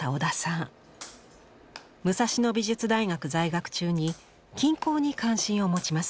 武蔵野美術大学在学中に金工に関心を持ちます。